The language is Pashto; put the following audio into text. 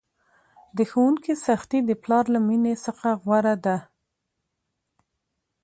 د ښوونکي سختي د پلار له میني څخه غوره ده!